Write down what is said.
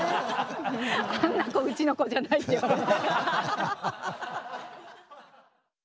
あんな子うちの子じゃないって言われる。